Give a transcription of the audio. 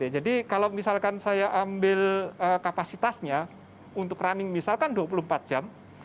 jadi kalau misalkan saya ambil kapasitasnya untuk running misalkan dua puluh empat jam